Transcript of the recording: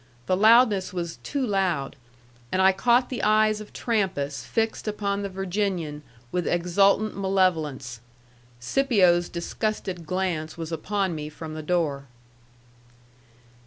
The loudness was too loud. And I caught the eyes of Trampas fixed upon the Virginian with exultant malevolence. Scipio's disgusted glance was upon me from the door.